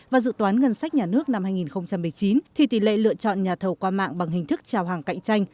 và dự toán ngân sách nhà nước năm hai nghìn một mươi chín thì tỷ lệ lựa chọn nhà thầu qua mạng bằng hình thức trào hàng cạnh tranh